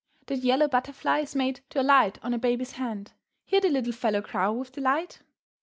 That yellow butterfly is made to alight on a baby's hand. Hear the little fellow crow with delight.